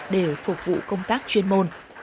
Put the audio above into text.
để phục vụ công tác chuyên môn